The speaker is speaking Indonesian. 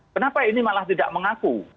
kenapa ini malah tidak mengaku